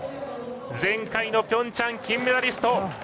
前回のピョンチャン金メダリスト